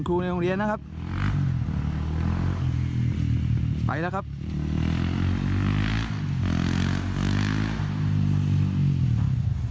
เมื่อเวลามันกลายเป้าหมาย